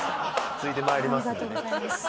続いてまいります。